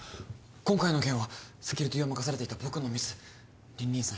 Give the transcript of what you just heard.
今回の件はセキュリティーを任されていた僕のミス凜々さん